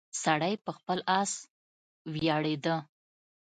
سړی په خپل اس ویاړیده.